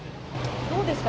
どうですか？